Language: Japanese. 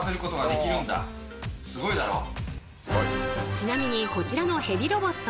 ちなみにこちらのヘビロボット